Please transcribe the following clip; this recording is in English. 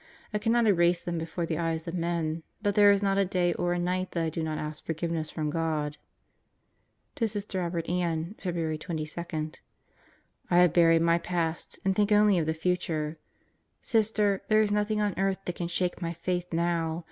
I cannot erase them before the eyes of men, but there is not a day or a night that I do not ask forgiveness from God. To Sister Robert Ann, Feb. 22: I have buried my past, and think only of the future. Sister, there is nothing on earth that can shake my Faith now.